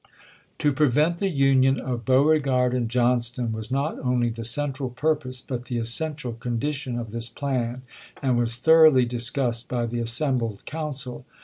To prevent the union of Beauregard and John ston was not only the central purpose but the es sential condition of this plan, and was thoroughly discussed by the assembled council.